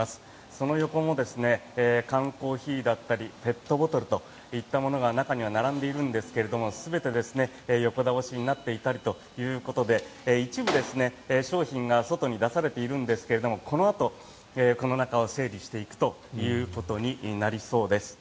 その横も缶コーヒーだったりペットボトルといったものが中には並んでいるんですが全て横倒しになっていたりということで一部、商品が外に出されているんですがこのあと、この中を整理していくということになりそうです。